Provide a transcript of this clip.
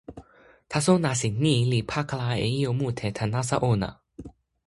taso nasin ni li pakala e ijo mute tan nasa ona.